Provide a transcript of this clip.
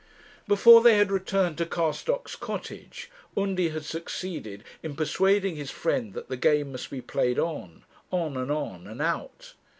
Before they had returned to Ca'stocks Cottage, Undy had succeeded in persuading his friend that the game must be played on on and on, and out.